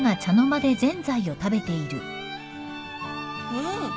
うん！